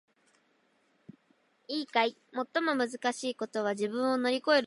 いいかい！最もむずかしいことは自分を乗り越えることだ！